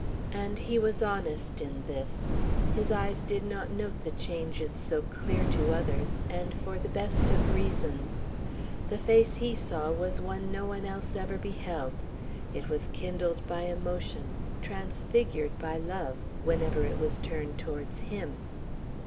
And he was honest in this. His eyes did not note the changes so clear to others, and for the best of reasons. The face he saw was one no one else ever beheld; it was kindled by emotion, transfigured by love, whenever it was turned towards him.